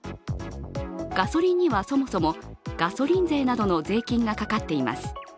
ガソリンにはそもそも、ガソリン税などの税金がかかっています。